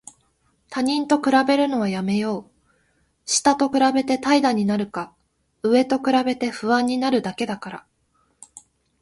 他人と比べるのはやめよう。下と比べて怠惰になるか、上と比べて不安になるだけだから。